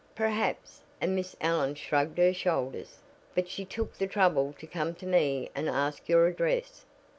"Perhaps," and Miss Allen shrugged her shoulders; "but she took the trouble to come to me and ask your address."